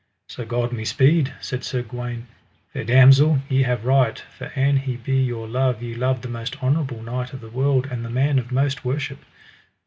So God me speed, said Sir Gawaine, fair damosel ye have right, for an he be your love ye love the most honourable knight of the world, and the man of most worship.